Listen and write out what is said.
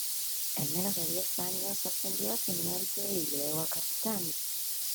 En menos de diez años ascendió a teniente y luego a capitán.